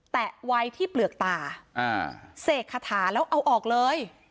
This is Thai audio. แตะไว้ที่เปลือกตาอ่าเสกคาถาแล้วเอาออกเลย